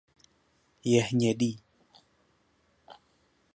Je hnědý.